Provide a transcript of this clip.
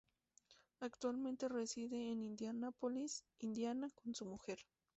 Actualmente reside en Indianápolis, Indiana, con su mujer.